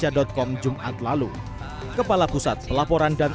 ivan yustyafan dana mengakui ppatk telah memblokir tiga puluh tiga rekening bank